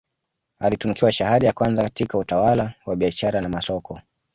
Alitunukiwa shahada ya kwanza katika utawala wa biashara na masoko